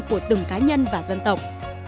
của từng cá nhân và dân tộc